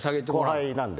後輩なんで。